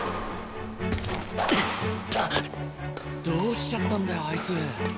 どうしちゃったんだよあいつ。